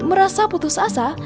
merasa putus asa